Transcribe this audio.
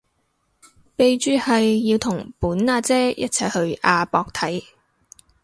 備註係要同本阿姐一齊去亞博睇